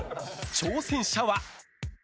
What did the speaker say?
挑戦者は。